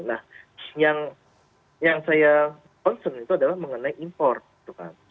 nah yang saya concern itu adalah mengenai import gitu kan